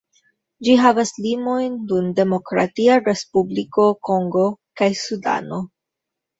Ĝi havas limojn kun Demokratia Respubliko Kongo kaj Sudano.